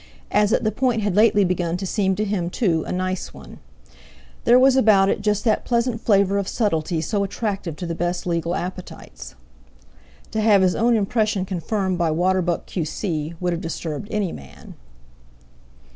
as that the point had lately begun to seem to him, too, a nice one; there was about it just that pleasant flavour of subtlety so attractive to the best legal appetites. To have his own impression confirmed by Waterbuck, Q.C., would have disturbed any man.